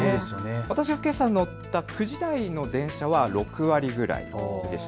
私がけさ乗った９時台の電車は６割ぐらいでした。